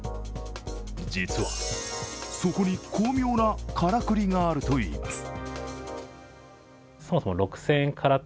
実はそこに巧妙なからくりがあると言います。